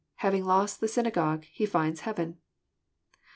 Having lost the syna gogue, he finds heaven."